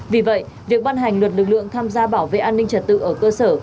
vì vậy việc ban hành luật lực lượng tham gia bảo vệ an ninh trật tự ở cơ sở